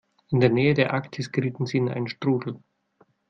In der Nähe der Arktis gerieten sie in einen Strudel.